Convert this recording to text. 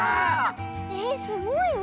えっすごいね。